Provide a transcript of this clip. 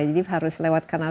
jadi harus lewat canal